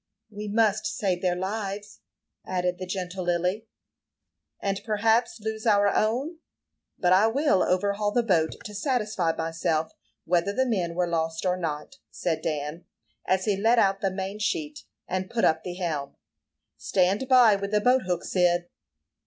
"We must save their lives," added the gentle Lily. "And perhaps lose our own; but I will overhaul the boat, to satisfy myself whether the men were lost or not," said Dan, as he let out the main sheet, and put up the helm. "Stand by with the boat hook, Cyd."